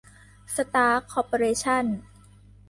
สตาร์ค คอร์เปอเรชั่น